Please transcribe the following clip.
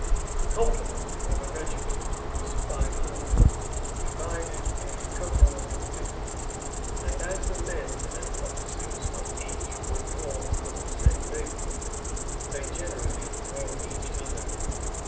The complement of a regiment was five hundred, divided into companies of fifty; and as the men and officers of each were drawn from the same neighborhood, they generally knew each other.